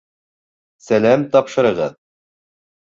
... сәләм тапшырығыҙ!